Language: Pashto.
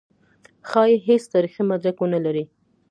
ښايي هېڅ تاریخي مدرک ونه لري.